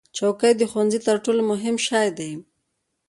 چوکۍ د ښوونځي تر ټولو مهم شی دی.